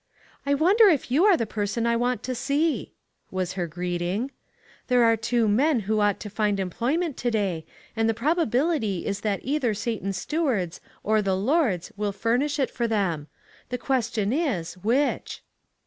" I wonder if you are the person I want to see ?" was her greeting. " There are two men who ought to find employment to day, and the probability is that either HEDGED IN. 3<DI Satan's stewards or the Lord's will furnish it for them. The question is, which?"